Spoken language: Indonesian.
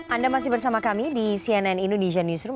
anda masih bersama kami di cnn indonesia newsroom